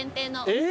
えっ？